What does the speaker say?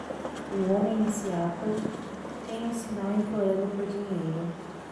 Um homem em Seattle tem um sinal implorando por dinheiro.